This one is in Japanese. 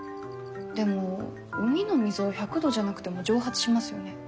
でも海の水は１００度じゃなくても蒸発しますよね。